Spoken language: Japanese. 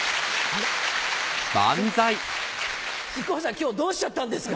今日どうしちゃったんですか？